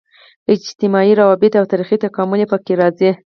اجتماعي روابط او تاریخي تکامل یې په کې راځي.